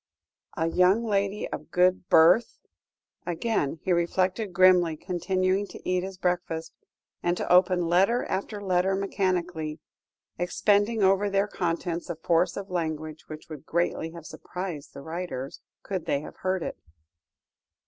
"A young lady of good birth." Again he reflected grimly, continuing to eat his breakfast, and to open letter after letter mechanically, expending over their contents a force of language which would greatly have surprised the writers, could they have heard it.